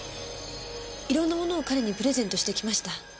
いろんなものを彼にプレゼントしてきました。